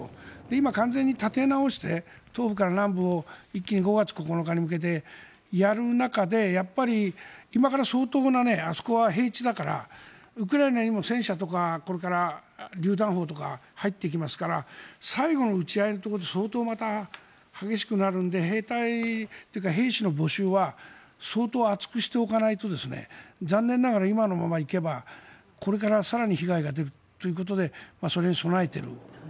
今完全に立て直して東部から南部を、一気に５月９日に向けてやる中で、やっぱり今から相当なあそこは平地だからウクライナにも戦車とかこれから、りゅう弾砲とか入っていきますから最後の撃ち合いのところで相当、また激しくなるので兵隊というか兵士の募集は相当厚くしておかないと残念ながら今のまま行けばこれから更に被害が出るということでそれに備えている。